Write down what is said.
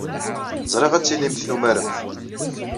Ẓriɣ ad tilimt tumaremt.